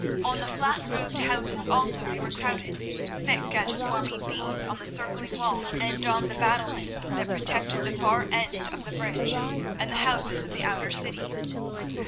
On the flat roofed houses also they were crowded thick as swarming bees, on the circling walls, and on the battlements that protected the far end of the bridge, and the houses of the outer city.